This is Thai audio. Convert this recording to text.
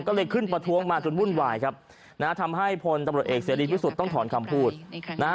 ก็เลยขึ้นประท้วงมาจนวุ่นวายครับนะฮะทำให้พลตำรวจเอกเสรีพิสุทธิ์ต้องถอนคำพูดนะฮะ